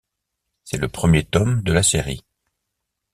C'est le premier tome de la série.